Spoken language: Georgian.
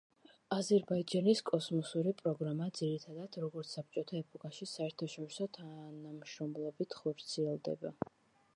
აზერბაიჯანის კოსმოსური პროგრამა, ძირითადად, როგორც საბჭოთა ეპოქაში, საერთაშორისო თანამშრომლობით ხორციელდება.